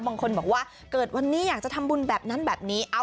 บางคนบอกว่าเกิดวันนี้อยากจะทำบุญแบบนั้นแบบนี้